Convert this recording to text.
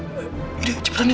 kayaknya cuman mimpi doang deh